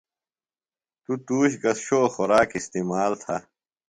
تو تُوش گہ شو خوراک استعمال تھہ۔